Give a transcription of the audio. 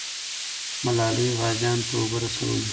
ملالۍ غازیانو ته اوبه رسولې.